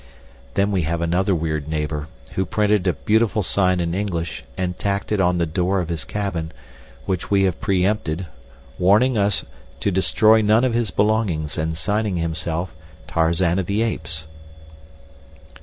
Then we have another weird neighbor, who printed a beautiful sign in English and tacked it on the door of his cabin, which we have preempted, warning us to destroy none of his belongings, and signing himself "Tarzan of the Apes."